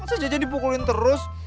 pasti jajan dipukulin terus